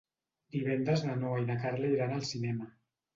Divendres na Noa i na Carla iran al cinema.